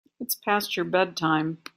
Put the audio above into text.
It's past your bedtime.